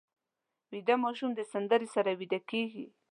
ویده ماشوم د سندرې سره ویده کېږي